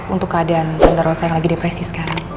untuk keadaan tante rosa yang lagi depresi sekarang